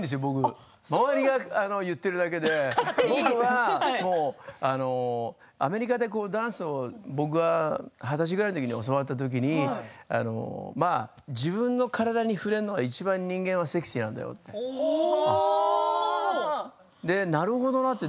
周りが言っているだけで僕は、アメリカでダンスを二十歳ぐらいのときに教わったときに自分の体に触れるのがいちばん人間はセクシーなんだよと言われて、なるほどなと。